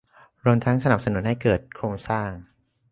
รวมทั้งสนับสนุนให้เกิดโครงสร้าง